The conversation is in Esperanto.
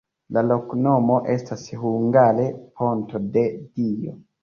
La loknomo estas hungare: ponto-de-Dio.